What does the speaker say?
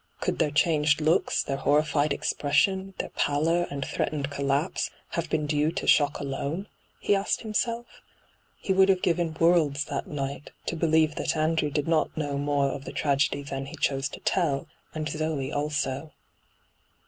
Could their changed looks, their horri6ed expression, their pallor and threatened collapse, have been due to shook alone ? he asked him self. He would have given worlds that night to believe that Andrew did not know more of the tragedy than he chose to tell, and Zoe also.